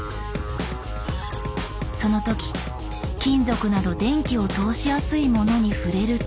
その時金属など電気を通しやすいものに触れると。